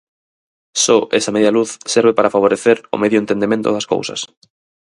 Só esa media luz serve para favorecer o medio entendemento das cousas.